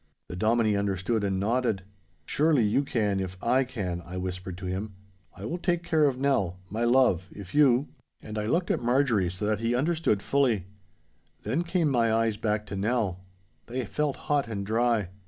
The Dominie understood and nodded. 'Surely you can if I can,' I whispered to him. 'I will take care of Nell—my love, if you—' And I looked at Marjorie so that he understood fully. Then came my eyes back to Nell. They felt hot and dry.